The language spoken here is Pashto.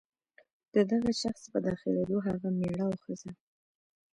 د دغه شخص په داخلېدو هغه مېړه او ښځه.